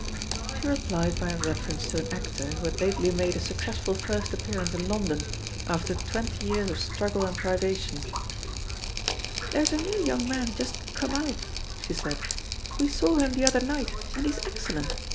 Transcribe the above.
She replied by a reference to an actor whc had lately made a successful first appearance in London after twenty years of struggle and pri vation* "There's a new young man just 'come out,' " she said ; "we saw him the other night and he's excellent.